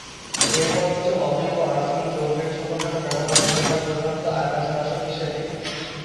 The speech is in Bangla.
এর পর কিছু অজৈব আর্সেনিক যৌগের ছোটখাটো ব্যবহার শুরু হয় প্রধানত আগাছানাশক হিসেবে।